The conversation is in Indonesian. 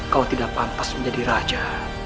kau tidak pantas menjadi raja